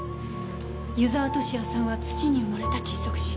湯沢敏也さんは「土」に埋もれた窒息死。